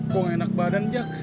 kok gak enak badan jack